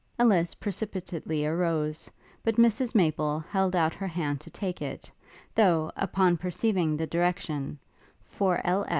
Ellis precipitately arose; but Mrs Maple held out her hand to take it; though, upon perceiving the direction, "For L.